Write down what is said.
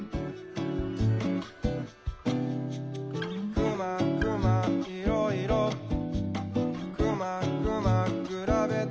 「くまくまいろいろ」「くまくまくらべて」